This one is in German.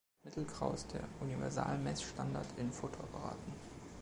Mittelgrau ist der Universalmess-Standard in Fotoapparaten.